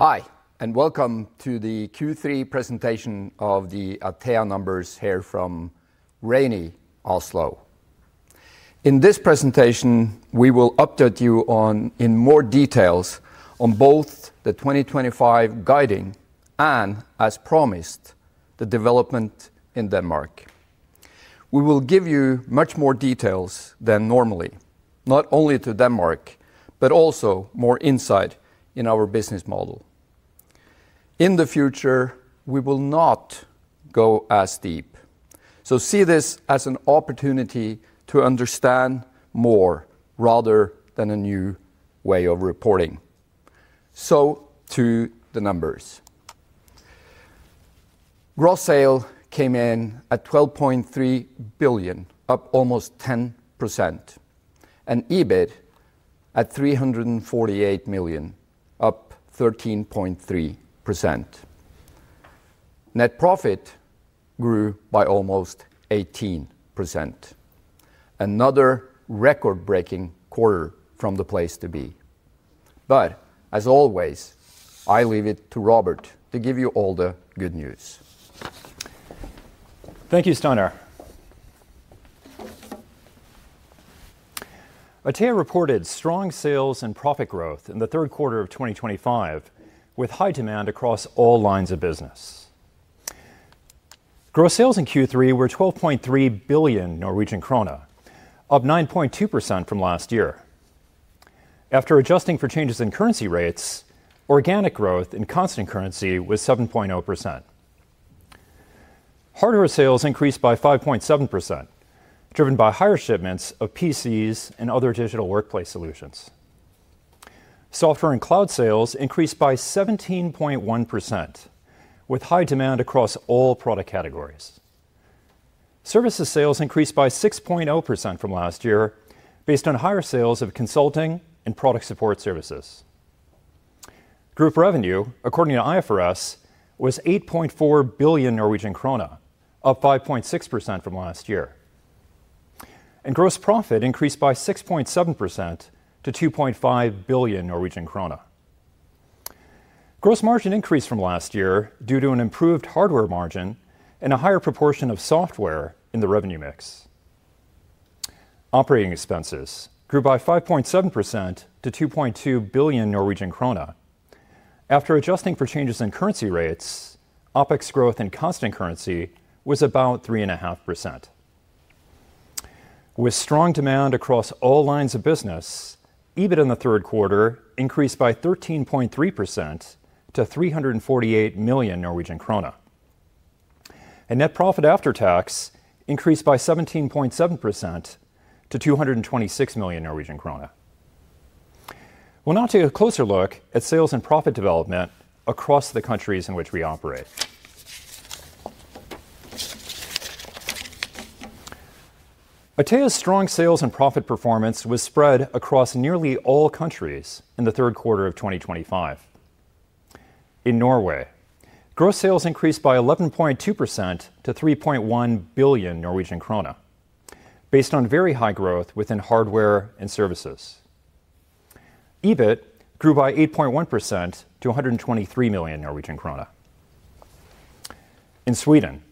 Hi, and welcome to the Q3 presentation of the Atea numbers here from rainy Oslo. In this presentation, we will update you in more detail on both the 2025 guiding and, as promised, the development in Denmark. We will give you much more detail than normally, not only to Denmark, but also more insight into our business model. In the future, we will not go as deep. See this as an opportunity to understand more rather than a new way of reporting. To the numbers: Gross sales came in at 12.3 billion, up almost 10%, and EBIT at 348 million, up 13.3%. Net profit grew by almost 18%. Another record-breaking quarter from the place to be. As always, I leave it to Robert to give you all the good news. Thank you, Steinar. Atea reported strong sales and profit growth in the third quarter of 2025, with high demand across all lines of business. Gross sales in Q3 were 12.3 billion Norwegian krone, up 9.2% from last year. After adjusting for changes in currency rates, organic growth in constant currency was 7.0%. Hardware sales increased by 5.7%, driven by higher shipments of PCs and other digital workplace solutions. Software and cloud sales increased by 17.1%, with high demand across all product categories. Services sales increased by 6.0% from last year, based on higher sales of consulting and product support services. Group revenue, according to IFRS, was 8.4 billion Norwegian krone, up 5.6% from last year. Gross profit increased by 6.7% to 2.5 billion Norwegian krone. Gross margin increased from last year due to an improved hardware margin and a higher proportion of software in the revenue mix. Operating expenses grew by 5.7% to 2.2 billion Norwegian krone. After adjusting for changes in currency rates, OpEx growth in constant currency was about 3.5%. With strong demand across all lines of business, EBIT in the third quarter increased by 13.3% to 348 million Norwegian krone. Net profit after tax increased by 17.7% to 226 million Norwegian krone. We'll now take a closer look at sales and profit development across the countries in which we operate. Atea's strong sales and profit performance was spread across nearly all countries in the third quarter of 2025. In Norway, gross sales increased by 11.2% to 3.1 billion Norwegian krone, based on very high growth within hardware and services. EBIT grew by 8.1% to 123 million Norwegian krone. In Sweden,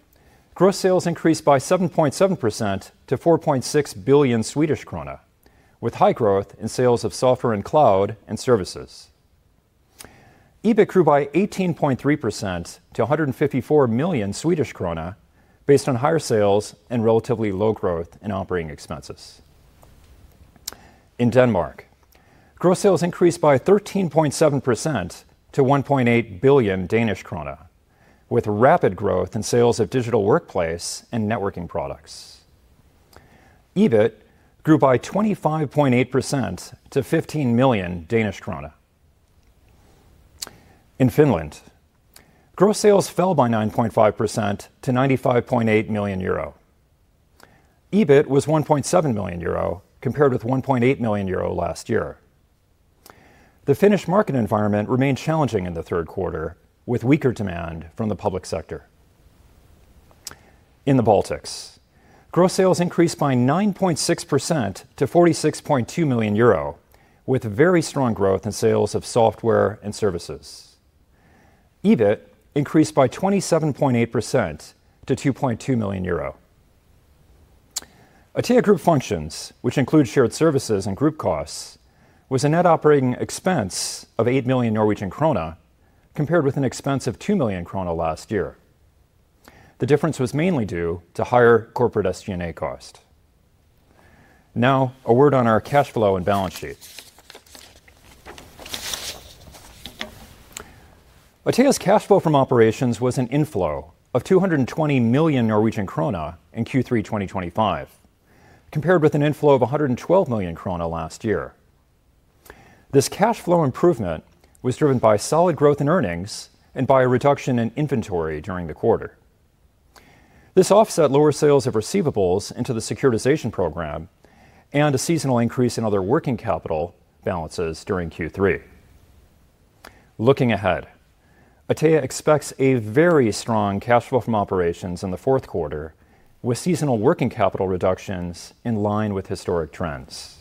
gross sales increased by 7.7% to 4.6 billion Swedish krona, with high growth in sales of software and cloud services. EBIT grew by 18.3% to 154 million Swedish krona, based on higher sales and relatively low growth in operating expenses. In Denmark, gross sales increased by 13.7% to 1.8 billion Danish krone, with rapid growth in sales of digital workplace and networking products. EBIT grew by 25.8% to 15 million Danish krone. In Finland, gross sales fell by 9.5% to 95.8 million euro. EBIT was 1.7 million euro compared with 1.8 million euro last year. The Finnish market environment remained challenging in the third quarter, with weaker demand from the public sector. In the Baltics, gross sales increased by 9.6% to 46.2 million euro, with very strong growth in sales of software and services. EBIT increased by 27.8% to 2.2 million euro. Atea Group functions, which include shared services and group costs, were a net operating expense of 8 million Norwegian krone compared with an expense of 2 million krone last year. The difference was mainly due to higher corporate SG&A cost. Now, a word on our cash flow and balance sheet. Atea's cash flow from operations was an inflow of 220 million Norwegian krone in Q3 2025, compared with an inflow of 112 million krone last year. This cash flow improvement was driven by solid growth in earnings and by a reduction in inventory during the quarter. This offset lower sales of receivables into the securitization program and a seasonal increase in other working capital balances during Q3. Looking ahead, Atea expects a very strong cash flow from operations in the fourth quarter, with seasonal working capital reductions in line with historic trends.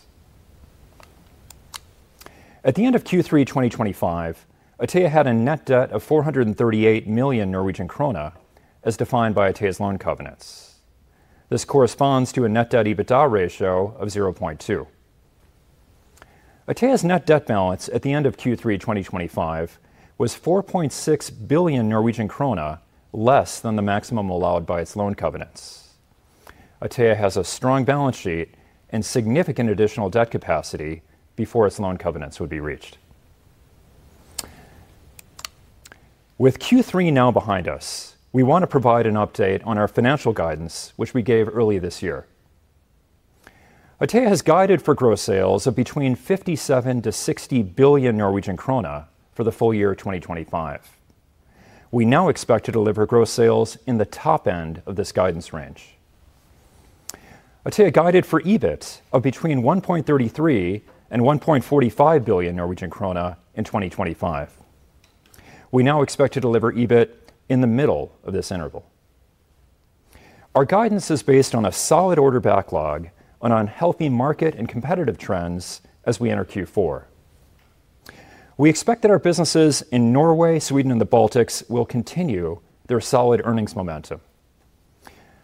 At the end of Q3 2025, Atea had a net debt of 438 million Norwegian krone, as defined by Atea's loan covenants. This corresponds to a net debt/EBITDA ratio of 0.2. Atea's net debt balance at the end of Q3 2025 was 4.6 billion Norwegian krone, less than the maximum allowed by its loan covenants. Atea has a strong balance sheet and significant additional debt capacity before its loan covenants would be reached. With Q3 now behind us, we want to provide an update on our financial guidance, which we gave early this year. Atea has guided for gross sales of between 57 billion-60 billion Norwegian krone for the full year of 2025. We now expect to deliver gross sales in the top end of this guidance range. Atea guided for EBIT of between 1.33 billion and 1.45 billion Norwegian krone in 2025. We now expect to deliver EBIT in the middle of this interval. Our guidance is based on a solid order backlog and healthy market and competitive trends as we enter Q4. We expect that our businesses in Norway, Sweden, and the Baltics will continue their solid earnings momentum.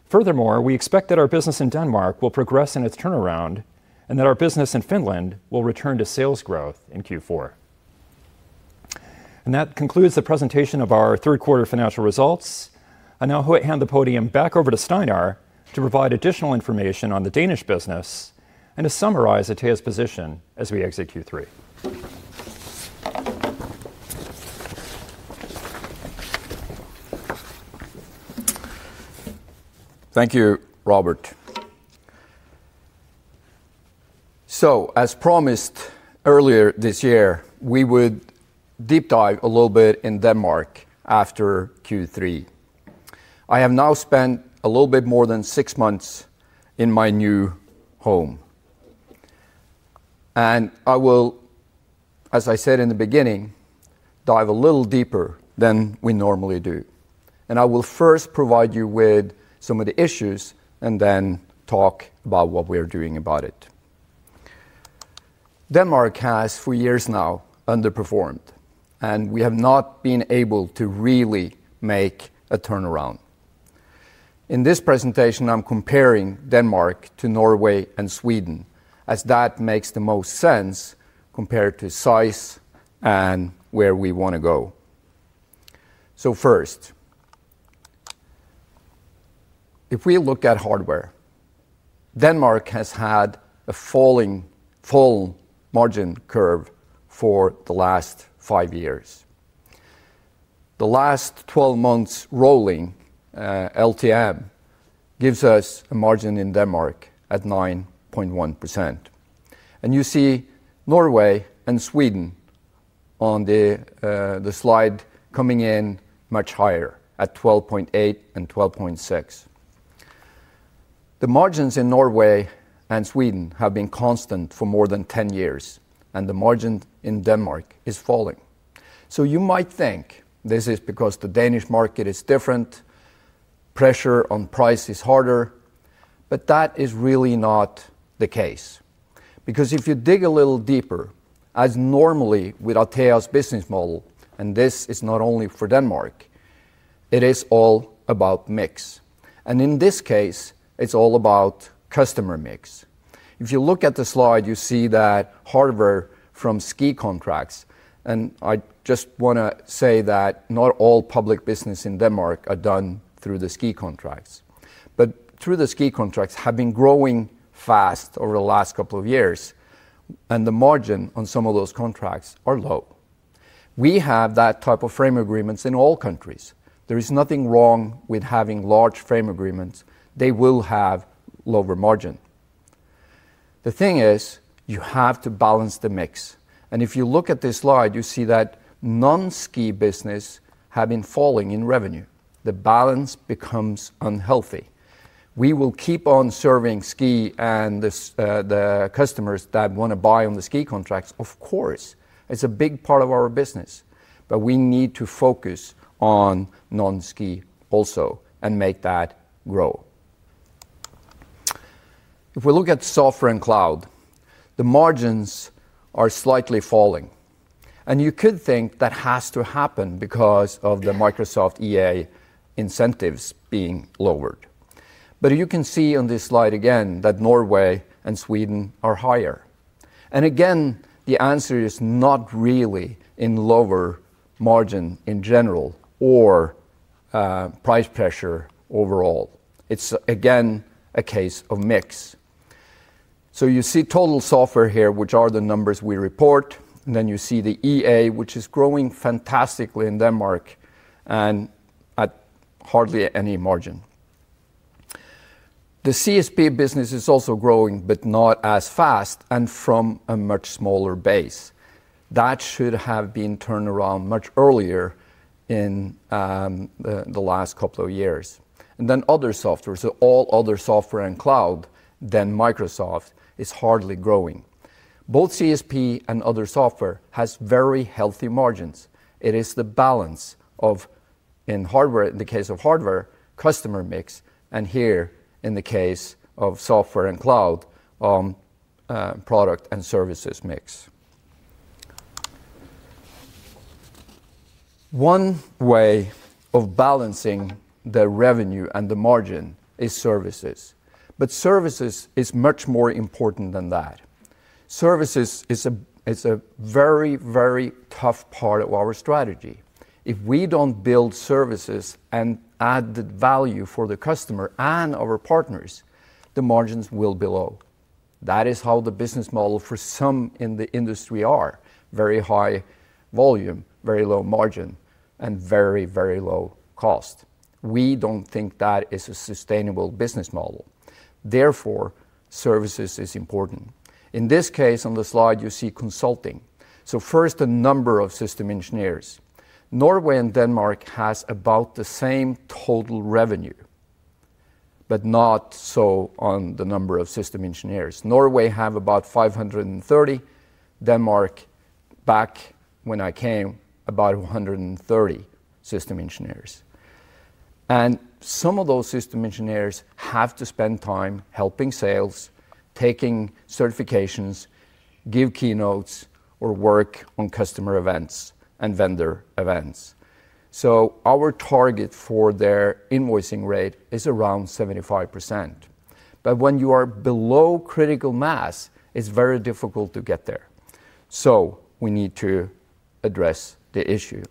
Furthermore, we expect that our business in Denmark will progress in its turnaround and that our business in Finland will return to sales growth in Q4. That concludes the presentation of our third quarter financial results. I now hand the podium back over to Steinar to provide additional information on the Danish business and to summarize Atea's position as we exit Q3. Thank you, Robert. As promised earlier this year, we would deep dive a little bit in Denmark after Q3. I have now spent a little bit more than six months in my new home. I will, as I said in the beginning, dive a little deeper than we normally do. I will first provide you with some of the issues and then talk about what we are doing about it. Denmark has, for years now, underperformed, and we have not been able to really make a turnaround. In this presentation, I'm comparing Denmark to Norway and Sweden, as that makes the most sense compared to size and where we want to go. First, if we look at hardware, Denmark has had a fallen margin curve for the last five years. The last 12 months' rolling LTM gives us a margin in Denmark at 9.1%. You see Norway and Sweden on the slide coming in much higher at 12.8% and 12.6%. The margins in Norway and Sweden have been constant for more than 10 years, and the margin in Denmark is falling. You might think this is because the Danish market is different, pressure on price is harder, but that is really not the case. If you dig a little deeper, as normally with Atea's business model, and this is not only for Denmark, it is all about mix. In this case, it's all about customer mix. If you look at the slide, you see that hardware from SKI contracts, and I just want to say that not all public business in Denmark is done through the SKI contracts, but through the SKI contracts have been growing fast over the last couple of years, and the margin on some of those contracts is low. We have that type of frame agreements in all countries. There is nothing wrong with having large frame agreements, they will have lower margin. The thing is, you have to balance the mix. If you look at this slide, you see that non-SKI business has been falling in revenue. The balance becomes unhealthy. We will keep on serving SKI and the customers that want to buy on the SKI contracts, of course. It's a big part of our business. We need to focus on non-SKI also and make that grow. If we look at software and cloud, the margins are slightly falling. You could think that has to happen because of the Microsoft EA incentives being lowered. You can see on this slide again that Norway and Sweden are higher. Again, the answer is not really in lower margin in general or price pressure overall. It's again a case of mix. You see total software here, which are the numbers we report. You see the EA, which is growing fantastically in Denmark and at hardly any margin. The CSP business is also growing, but not as fast and from a much smaller base. That should have been turned around much earlier in the last couple of years. Other software, so all other software and cloud than Microsoft, is hardly growing. Both CSP and other software have very healthy margins. It is the balance of, in the case of hardware, customer mix, and here in the case of software and cloud, product and services mix. One way of balancing the revenue and the margin is services. Services are much more important than that. Services are a very, very tough part of our strategy. If we don't build services and add the value for the customer and our partners, the margins will be low. That is how the business models for some in the industry are: very high volume, very low margin, and very, very low cost. We don't think that is a sustainable business model. Therefore, services are important. In this case, on the slide, you see consulting. First, the number of system engineers. Norway and Denmark have about the same total revenue, but not so on the number of system engineers. Norway has about 530, Denmark back when I came about 130 system engineers. Some of those system engineers have to spend time helping sales, taking certifications, giving keynotes, or working on customer events and vendor events. Our target for their invoicing rate is around 75%. When you are below critical mass, it's very difficult to get there. We need to address the issue.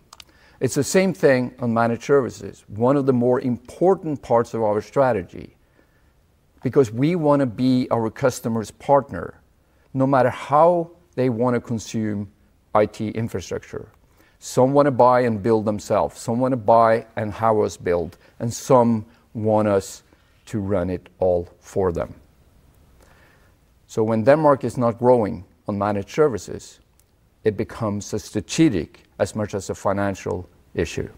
It's the same thing on managed services, one of the more important parts of our strategy, because we want to be our customers' partner, no matter how they want to consume IT infrastructure. Some want to buy and build themselves, some want to buy and have us build, and some want us to run it all for them. When Denmark is not growing on managed services, it becomes as strategic as much as a financial issue.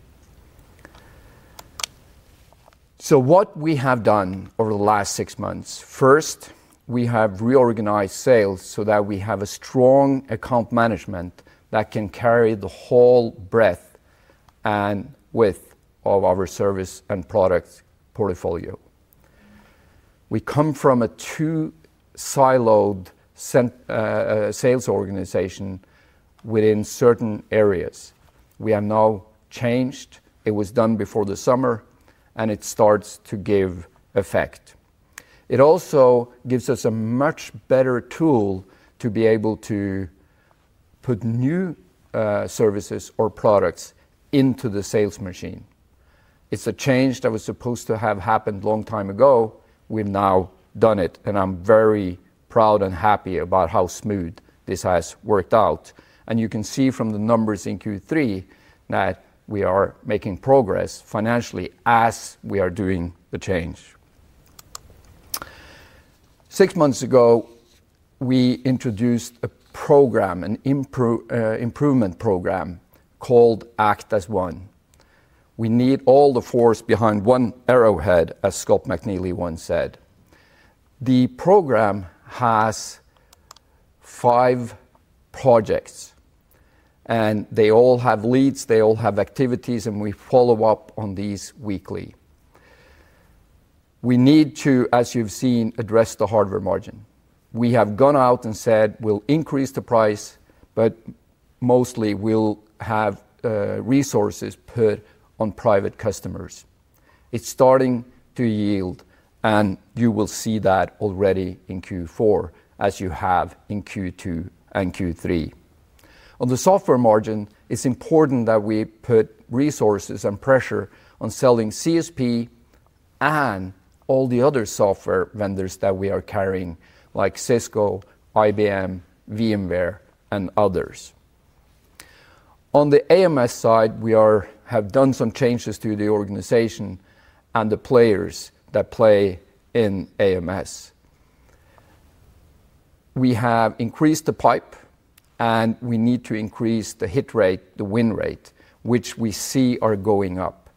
What we have done over the last six months, first, we have reorganized sales so that we have a strong account management that can carry the whole breadth and width of our service and products portfolio. We come from a two-siloed sales organization within certain areas. We have now changed. It was done before the summer, and it starts to give effect. It also gives us a much better tool to be able to put new services or products into the sales machine. It's a change that was supposed to have happened a long time ago. We've now done it, and I'm very proud and happy about how smooth this has worked out. You can see from the numbers in Q3 that we are making progress financially as we are doing the change. Six months ago, we introduced a program, an improvement program called Act as One. We need all the force behind one arrowhead, as Scott McNealy once said. The program has five projects, and they all have leads, they all have activities, and we follow up on these weekly. We need to, as you've seen, address the hardware margin. We have gone out and said we'll increase the price, but mostly we'll have resources put on private customers. It's starting to yield, and you will see that already in Q4, as you have in Q2 and Q3. On the software margin, it's important that we put resources and pressure on selling CSP and all the other software vendors that we are carrying, like Cisco, IBM, VMware, and others. On the AMS side, we have done some changes to the organization and the players that play in AMS. We have increased the pipe, and we need to increase the hit rate, the win rate, which we see are going up.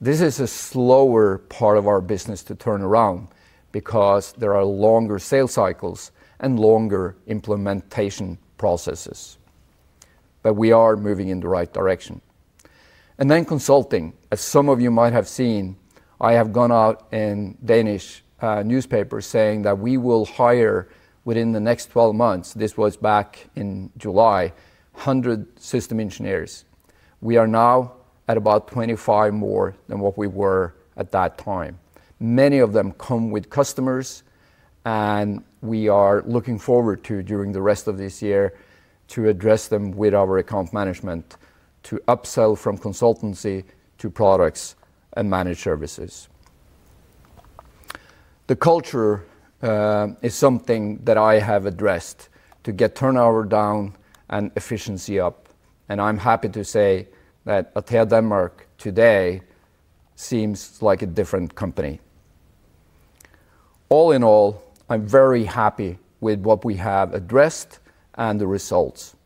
This is a slower part of our business to turn around because there are longer sales cycles and longer implementation processes, but we are moving in the right direction. Consulting, as some of you might have seen, I have gone out in Danish newspapers saying that we will hire within the next 12 months. This was back in July, 100 system engineers. We are now at about 25 more than what we were at that time. Many of them come with customers, and we are looking forward to, during the rest of this year, address them with our account management to upsell from consultancy to products and managed services. The culture is something that I have addressed to get turnover down and efficiency up. I'm happy to say that Atea Denmark today seems like a different company. All in all, I'm very happy with what we have addressed and the results.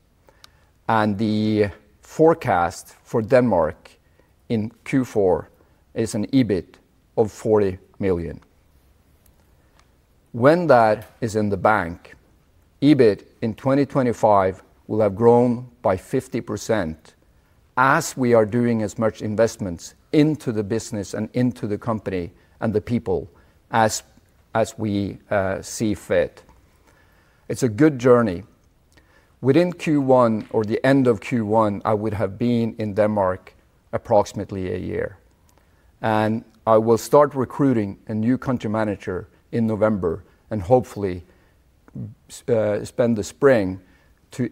The forecast for Denmark in Q4 is an EBIT of 40 million. When that is in the bank, EBIT in 2025 will have grown by 50%, as we are doing as much investments into the business and into the company and the people as we see fit. It's a good journey. Within Q1, or the end of Q1, I would have been in Denmark approximately a year. I will start recruiting a new country manager in November and hopefully spend the spring to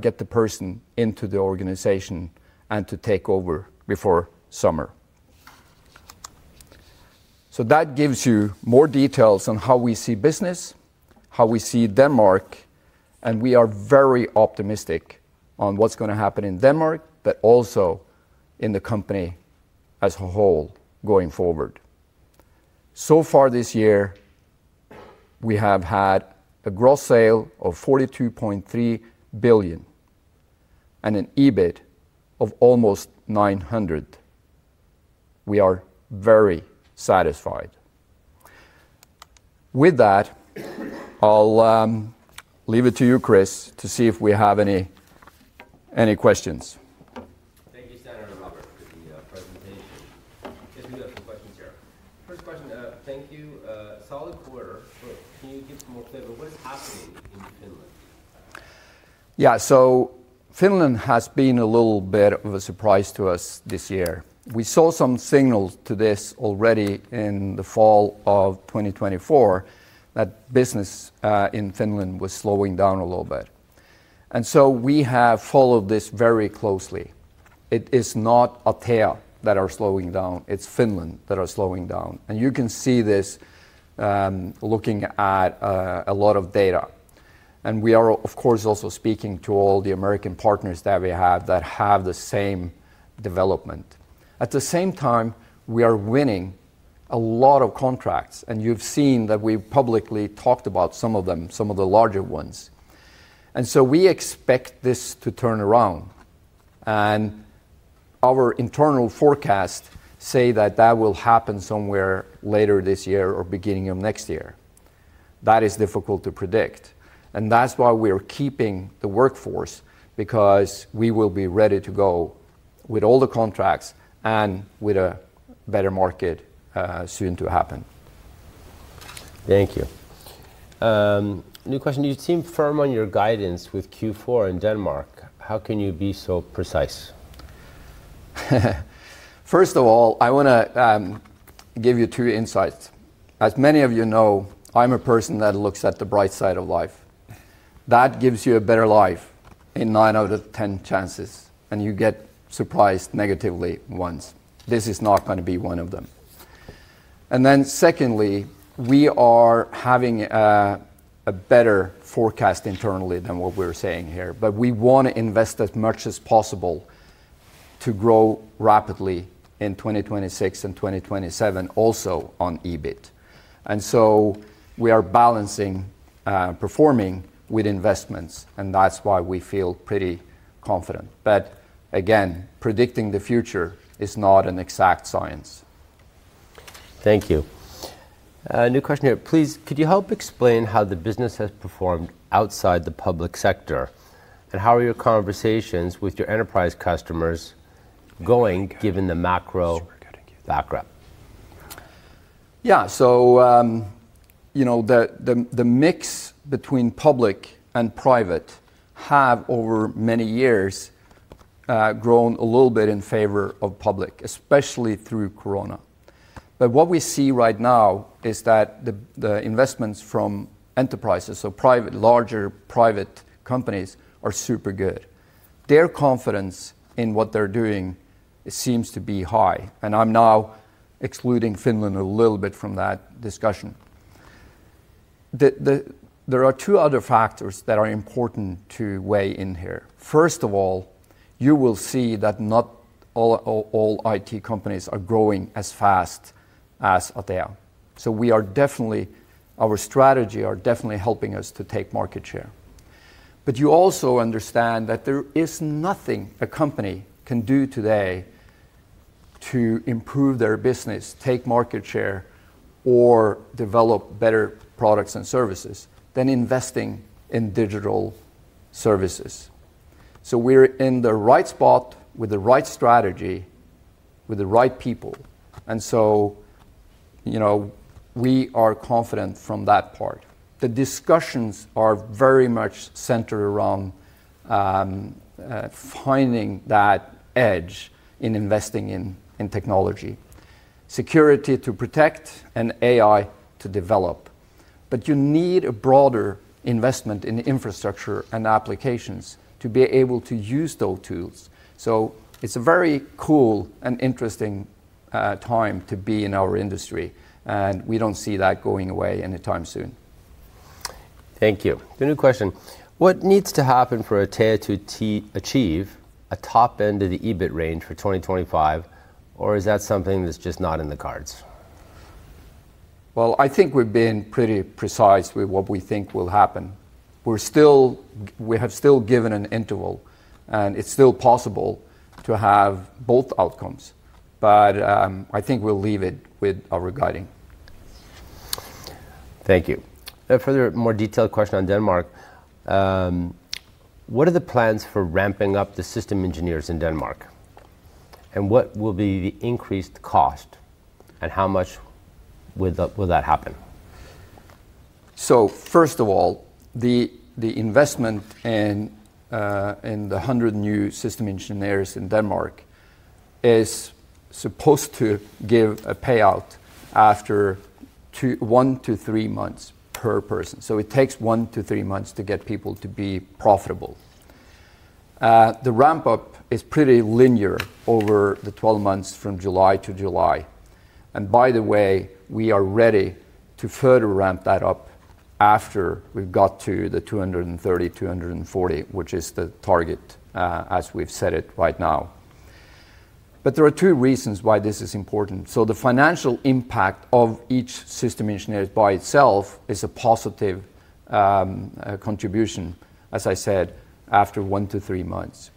get the person into the organization and to take over before summer. That gives you more details on how we see business, how we see Denmark, and we are very optimistic on what's going to happen in Denmark, but also in the company as a whole going forward. So far this year, we have had a gross sale of 42.3 billion and an EBIT of almost 900 million. We are very satisfied. With that, I'll leave it to you, Chris, to see if we have any questions. Thank you, Steinar and Robert, for the presentation. Yes, we do have some questions here. First question, thank you. Solid quarter, but can you give some more clarity? What is happening in Finland? Finland has been a little bit of a surprise to us this year. We saw some signals to this already in the fall of 2024 that business in Finland was slowing down a little bit. We have followed this very closely. It is not Atea that is slowing down, it's Finland that is slowing down. You can see this looking at a lot of data. We are, of course, also speaking to all the American partners that we have that have the same development. At the same time, we are winning a lot of contracts, and you've seen that we've publicly talked about some of them, some of the larger ones. We expect this to turn around. Our internal forecasts say that will happen somewhere later this year or beginning of next year. That is difficult to predict. That's why we are keeping the workforce, because we will be ready to go with all the contracts and with a better market soon to happen. Thank you. New question, you seem firm on your guidance with Q4 in Denmark. How can you be so precise? First of all, I want to give you two insights. As many of you know, I'm a person that looks at the bright side of life. That gives you a better life in 9/10 chances, and you get surprised negatively once. This is not going to be one of them. Secondly, we are having a better forecast internally than what we're saying here, but we want to invest as much as possible to grow rapidly in 2026 and 2027, also on EBIT. We are balancing performing with investments, and that's why we feel pretty confident. Again, predicting the future is not an exact science. Thank you. New question here, please, could you help explain how the business has performed outside the public sector? How are your conversations with your enterprise customers going, given the macro background? Yeah, the mix between public and private has over many years grown a little bit in favor of public, especially through Corona. What we see right now is that the investments from enterprises, so private, larger private companies, are super good. Their confidence in what they're doing seems to be high, and I'm now excluding Finland a little bit from that discussion. There are two other factors that are important to weigh in here. First of all, you will see that not all IT companies are growing as fast as Atea. We are definitely, our strategies are definitely helping us to take market share. You also understand that there is nothing a company can do today to improve their business, take market share, or develop better products and services than investing in digital services. We're in the right spot with the right strategy, with the right people. We are confident from that part. The discussions are very much centered around finding that edge in investing in technology. Security to protect and AI to develop. You need a broader investment in infrastructure and applications to be able to use those tools. It's a very cool and interesting time to be in our industry, and we don't see that going away anytime soon. Thank you. The new question, what needs to happen for Atea to achieve a top end of the EBIT range for 2025, or is that something that's just not in the cards? I think we've been pretty precise with what we think will happen. We have still given an interval, and it's still possible to have both outcomes. I think we'll leave it with our guidance. Thank you. A further, more detailed question on Denmark. What are the plans for ramping up the system engineers in Denmark? What will be the increased cost, and how much will that happen? First of all, the investment in the 100 new system engineers in Denmark is supposed to give a payout after one to three months per person. It takes one to three months to get people to be profitable. The ramp-up is pretty linear over the 12 months from July to July. By the way, we are ready to further ramp that up after we've got to the 230, 240, which is the target, as we've set it right now. There are two reasons why this is important. The financial impact of each system engineer by itself is a positive contribution, as I said, after one to three months.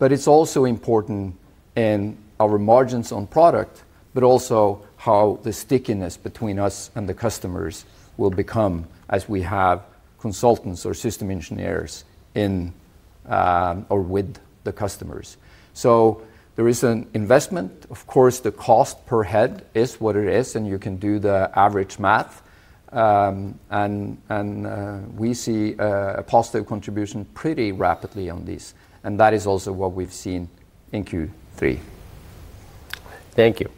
It's also important in our margins on product, but also how the stickiness between us and the customers will become as we have consultants or system engineers in or with the customers. There is an investment. Of course, the cost per head is what it is, and you can do the average math. We see a positive contribution pretty rapidly on these. That is also what we've seen in Q3. Thank you.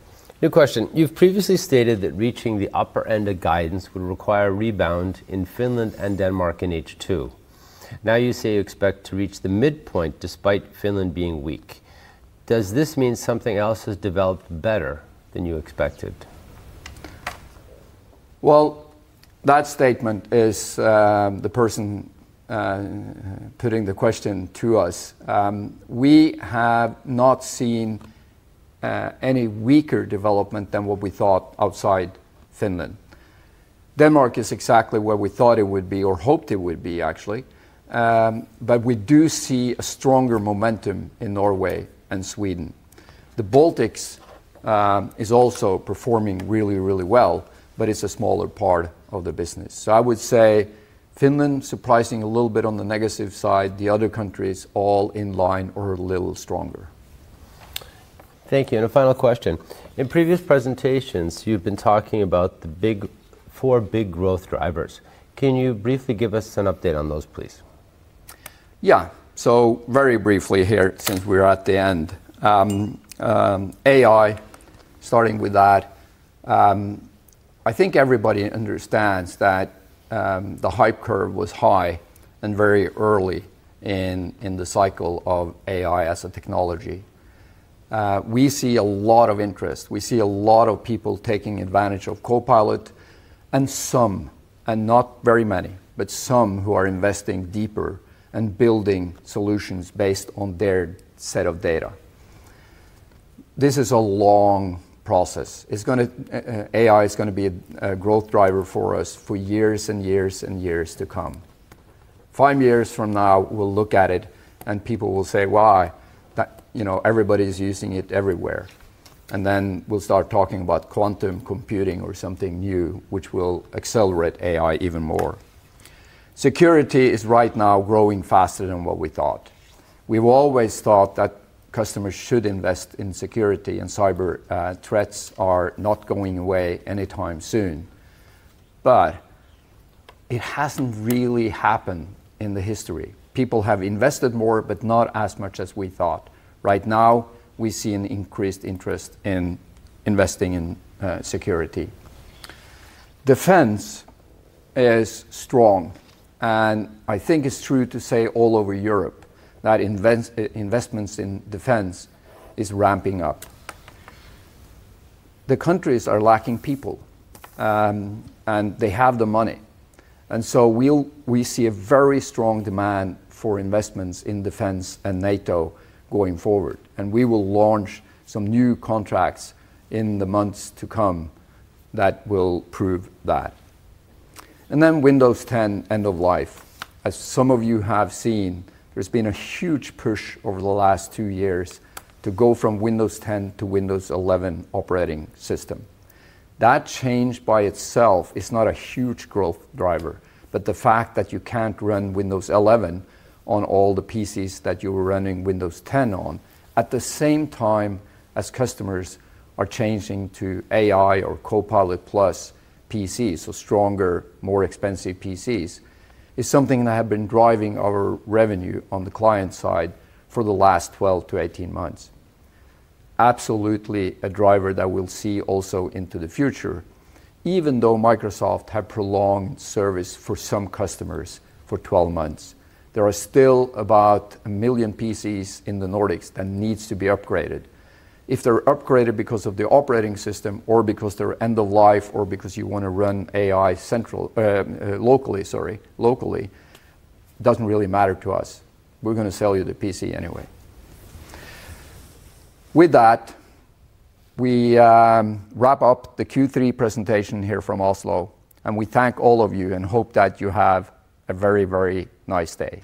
New question, you've previously stated that reaching the upper end of guidance would require a rebound in Finland and Denmark in H2. Now you say you expect to reach the midpoint despite Finland being weak. Does this mean something else has developed better than you expected? That statement is the person putting the question to us. We have not seen any weaker development than what we thought outside Finland. Denmark is exactly where we thought it would be, or hoped it would be, actually. We do see a stronger momentum in Norway and Sweden. The Baltics is also performing really, really well, but it's a smaller part of the business. I would say Finland is surprising a little bit on the negative side. The other countries all in line are a little stronger. Thank you. A final question. In previous presentations, you've been talking about the four big growth drivers. Can you briefly give us an update on those, please? Yeah, so very briefly here, since we're at the end. AI, starting with that. I think everybody understands that the hype curve was high and very early in the cycle of AI as a technology. We see a lot of interest. We see a lot of people taking advantage of Copilot, and some, and not very many, but some who are investing deeper and building solutions based on their set of data. This is a long process. AI is going to be a growth driver for us for years and years and years to come. Five years from now, we'll look at it and people will say, "Why? Everybody is using it everywhere." Then we'll start talking about quantum computing or something new, which will accelerate AI even more. Security is right now growing faster than what we thought. We've always thought that customers should invest in security, and cyber threats are not going away anytime soon. It hasn't really happened in history. People have invested more, but not as much as we thought. Right now, we see an increased interest in investing in security. Defense is strong, and I think it's true to say all over Europe that investments in defense are ramping up. The countries are lacking people, and they have the money. We see a very strong demand for investments in defense and NATO going forward. We will launch some new contracts in the months to come that will prove that. Windows 10 end of life. As some of you have seen, there's been a huge push over the last two years to go from Windows 10 to Windows 11 operating system. That change by itself is not a huge growth driver, but the fact that you can't run Windows 11 on all the PCs that you were running Windows 10 on, at the same time as customers are changing to AI or Copilot Plus PCs, so stronger, more expensive PCs, is something that has been driving our revenue on the client side for the last 12-18 months. Absolutely a driver that we'll see also into the future, even though Microsoft had prolonged service for some customers for 12 months. There are still about a million PCs in the Nordics that need to be upgraded. If they're upgraded because of the operating system or because they're end of life or because you want to run AI locally, it doesn't really matter to us. We're going to sell you the PC anyway. With that, we wrap up the Q3 presentation here from Oslo, and we thank all of you and hope that you have a very, very nice day.